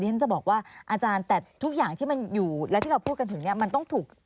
ฉันจะบอกว่าอาจารย์แต่ทุกอย่างที่มันอยู่และที่เราพูดกันถึงเนี่ยมันต้องถูก